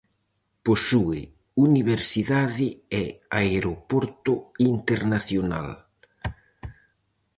Posúe universidade e aeroporto internacional.